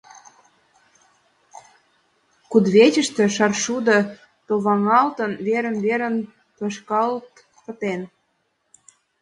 Кудывечыште шаршудо товаҥалтын, верын-верын тошкалт пытен.